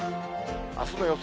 あすの予想